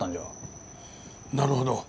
なるほど。